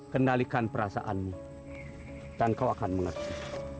kendalikan perasaanmu dan kau akan mengerti